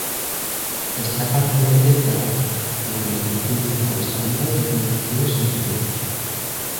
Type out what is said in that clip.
Está parcialmente enterrado, lo que dificulta su avistamiento desde altitudes inferiores.